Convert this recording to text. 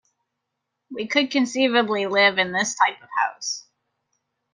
We could conceivably live in this type of house.